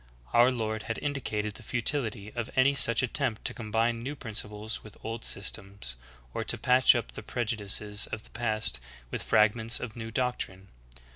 Our Lord had indicated the futility of any such attempt to combine new principles with old sys tems, or to patch up the prejudices of the past \\ith frag ments of new doctrine.